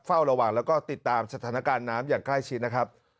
เฝ้าระวังแล้วก็ติดตามสถานการณ์น้ำอย่างใกล้ชิดนะครับ